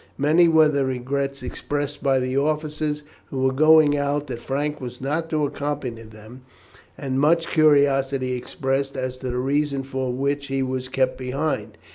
Many were the regrets expressed by the officers who were going out that Frank was not to accompany them, and much curiosity expressed as to the reason for which he was kept behind.